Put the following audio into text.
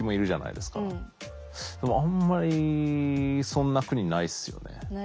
でもあんまりそんな国ないっすよね。